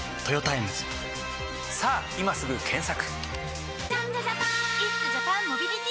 さぁ今すぐ検索！